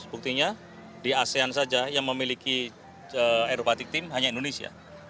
buktinya di asean saja yang memiliki aerobatic team hanya indonesia